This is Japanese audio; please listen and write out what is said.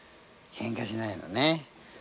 ケンカしないのね。